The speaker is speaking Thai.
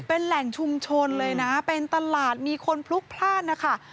เป็นแหล่งชุมชนเลยนะเป็นตลาดมีคนพลุกพลาดนะคะ